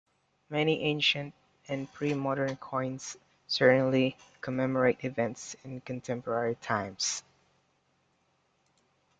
Many ancient and pre-modern coins certainly commemorate events in contemporary times.